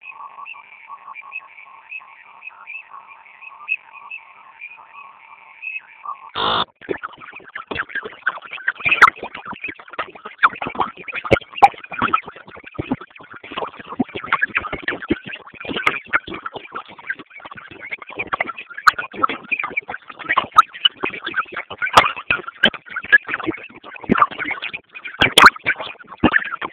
rais aliyehudumu tangu mwaka elfu mbili na sita hadi elfu mbili kumi na nane